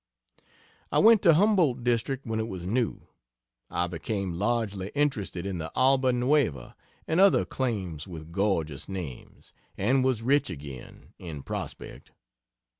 I went to Humboldt District when it was new; I became largely interested in the "Alba Nueva" and other claims with gorgeous names, and was rich again in prospect.